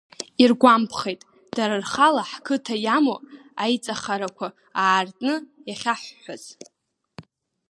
Иргәамԥхеит, дара рхала ҳқыҭа иамоу аиҵахарақәа аартны иахьаҳҳәаз.